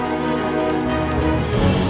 dibawa ke seluruh sulung